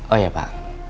oh ya pak